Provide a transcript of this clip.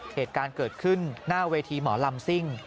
เหตุการณ์เกิดขึ้นหน้าเวทีหมอลำซิ่ง